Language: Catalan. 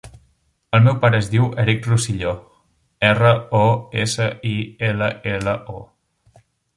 El meu pare es diu Eric Rosillo: erra, o, essa, i, ela, ela, o.